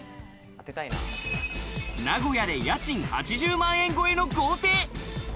名古屋で家賃８０万円超えの豪邸。